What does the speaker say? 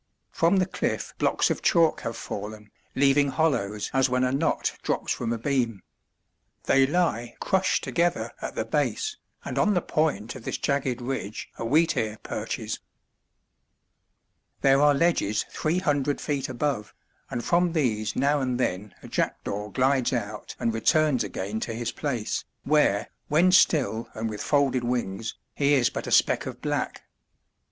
From the cliff blocks of chalk have fallen, leaving hollows as when a knot drops from a beam. They lie crushed together at the base, and on the point of this jagged ridge a wheatear perches. There are ledges three hundred feet above, and from these now and then a jackdaw glides out and returns again to his place, where, when still and with folded wings, he is but a speck of black.